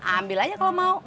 ambil aja kalau mau